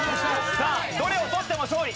さあどれを取っても勝利。